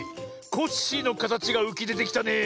コッシーのかたちがうきでてきたねえ。